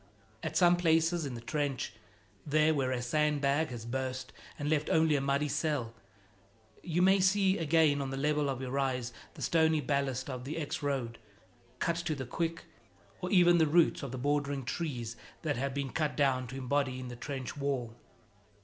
At some places in the trench there, where a sandbag has burst and left only a muddy cell you may see again on the level of your eyes the stony ballast of the ex road, cut to the quick, or even the roots of the bordering trees that have been cut down to embody in the trench wall.